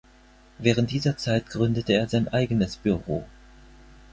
Während dieser Zeit gründete er sein eigenes Büro.